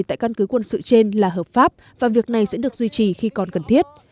tại căn cứ quân sự trên là hợp pháp và việc này sẽ được duy trì khi còn cần thiết